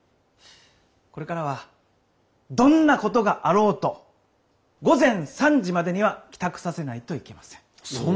これからはどんなことがあろうと午前３時までには帰宅させないといけません。